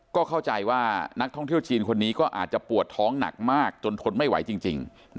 ก็เข้าใจว่านักท่องเที่ยวจีนคนนี้ก็อาจจะปวดท้องหนักมากจนทนไม่ไหวจริง